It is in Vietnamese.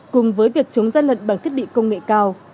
cùng với việc chống gian lận bằng thiết bị công nghệ cao